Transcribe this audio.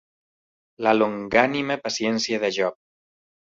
La longànime paciència de Job.